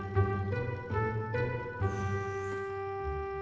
benda yang pistol